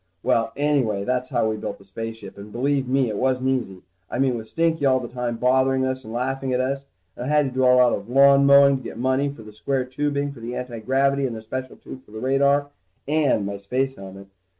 Well, anyway, that's how we built the spaceship, and believe me, it wasn't easy. I mean with Stinky all the time bothering us and laughing at us. And I had to do a lot of lawn mowing to get money for the square tubing for the antigravity and the special tube for the radar, and my space helmet.